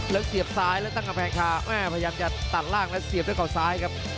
แล้วเสียบซ้ายแล้วตั้งกำแพงคาพยายามจะตัดล่างแล้วเสียบด้วยเขาซ้ายครับ